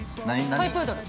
◆トイプードル。